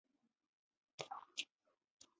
糠醛的物性已在右表中列出。